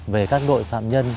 về các đội phạm nhân